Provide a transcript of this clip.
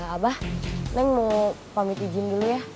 abah neng mau pamit izin dulu ya